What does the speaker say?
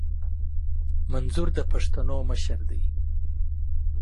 منظور د پښتنو مشر دي